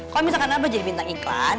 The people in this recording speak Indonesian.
kalau misalkan abah jadi bintang iklan